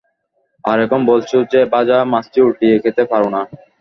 আর এখন বলছো যে, ভাজা মাছটি উল্টিয়ে খেতে পারোনা।